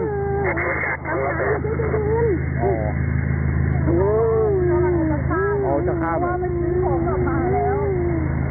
อ๋อจะข้ามอ๋อที่ของออกมาแล้วอ๋อน้องก็ในใจว่าน้องไปนานแล้ว